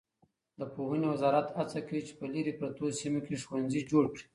د پوهنې وزارت هڅه کوي چې په لیرې پرتو سیمو کې ښوونځي جوړ کړي.